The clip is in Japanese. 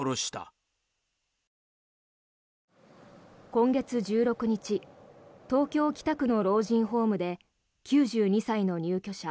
今月１６日東京・北区の老人ホームで９２歳の入居者